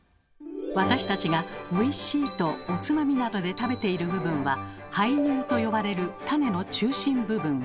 私たちが「おいしい」とおつまみなどで食べている部分は「胚乳」と呼ばれる種の中心部分。